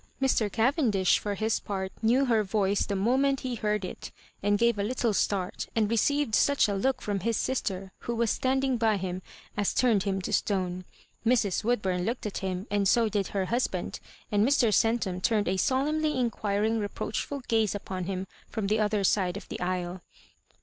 Mr. Cavendish, for his part, knew her voice the moment he heard it, and gave a little start, and received such a look from his sister, who was standing by him, as turned him to stone. Mrs. Woodbum looked at him, and so did her hus band, and Mr. Centum turned a solemnly inquir ing reproachftil gaze upon him from the other side of the aisle.